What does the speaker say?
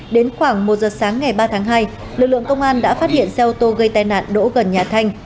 đến khoảng một giờ sáng ngày ba tháng hai lực lượng công an đã phát hiện xe ô tô gây tai nạn đỗ gần nhà thanh